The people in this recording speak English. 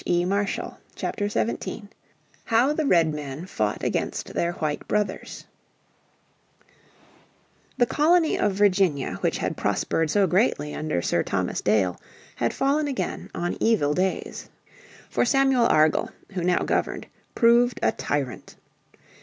__________ Chapter 17 How the Redmen Fought Against Their White Brothers The Colony of Virginia which had prospered so greatly under Sir Thomas Dale had fallen again on evil days. For Samuel Argall, who now governed, proved a tyrant.